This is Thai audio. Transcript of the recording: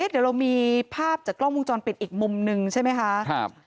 เดี๋ยวเรามีภาพจากกล้องวงจรปิดอีกมุมหนึ่งใช่ไหมคะ